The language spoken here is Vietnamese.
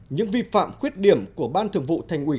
những vi phạm khuyết điểm của ban thường vụ thành ủy